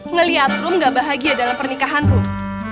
ngeliat rom gak bahagia dalam pernikahan rom